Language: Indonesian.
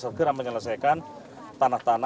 kita bisa menjelaskan hal yang sama ya